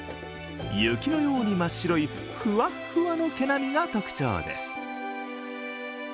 雪のように真っ白い、ふわっふわの毛並みが特徴です。